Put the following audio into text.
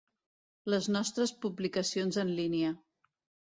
Les nostres publicacions en línia.